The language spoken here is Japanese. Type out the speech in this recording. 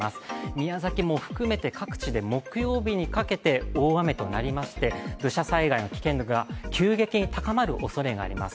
宮崎も含めて各地で木曜日にかけて大雨となりまして、土砂災害の危険度が急激に高まるおそれがあります。